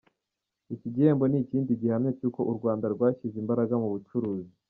Iki gihembo ni ikindi gihamya cy’uko u Rwanda rwashyize imbaraga mu bucuruzi.